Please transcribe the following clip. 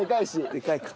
でかいか。